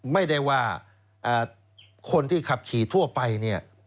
ไม่ได้ว่าคนที่ขับขี่ทั่วไปเนี่ย